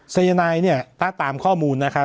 สายนายเนี่ยถ้าตามข้อมูลนะครับ